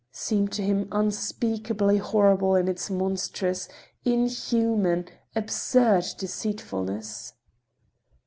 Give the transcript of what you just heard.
seemed to him unspeakably horrible in its monstrous, inhuman, absurd deceitfulness.